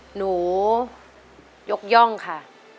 หนูยกย่องค่ะ